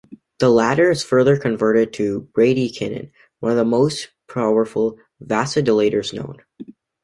The latter is further converted to bradykinin, one of the most powerful vasodilators known.